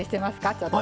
ちょっと。